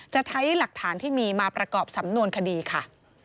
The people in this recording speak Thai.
จะใช้หลักฐานที่มีมาประกอบสำนวนคดีค่ะ